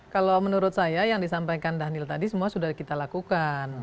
kalau menurut saya yang disampaikan daniel tadi semua sudah kita lakukan